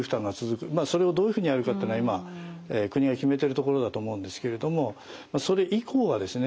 それをどういうふうにやるかっていうのは今国が決めてるところだと思うんですけれどもそれ以降はですね